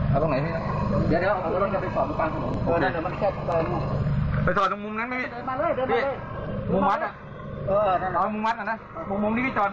เอามาให้พูดความก่อน